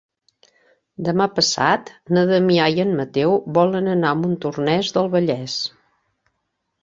Demà passat na Damià i en Mateu volen anar a Montornès del Vallès.